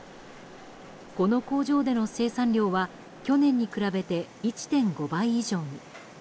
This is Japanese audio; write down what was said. この工場での生産量は去年に比べて１．５倍以上に。